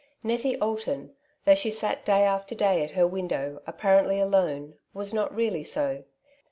Nettie Alton, though she sat day after day at her window apparently alone, was not really so.